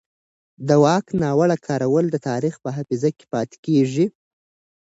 د واک ناوړه کارول د تاریخ په حافظه کې پاتې کېږي